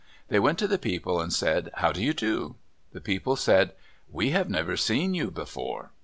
They went to the people and said, "How do you do?" The people said, "We have never seen you before."